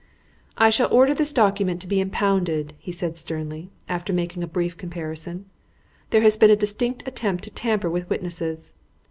"I shall order this document to be impounded," said he sternly, after making a brief comparison. "There has been a distinct attempt to tamper with witnesses.